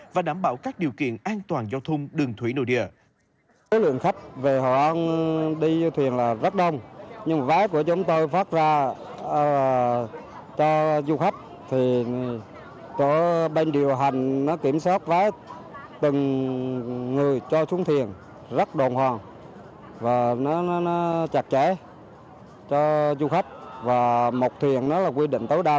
và đảm bảo các điều kiện an toàn giao thông đường thủy nội địa